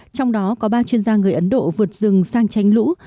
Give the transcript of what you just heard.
trong đó có ba chuyên gia người ấn độ vượt rừng sang tránh lũ